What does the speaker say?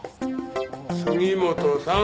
杉本さん！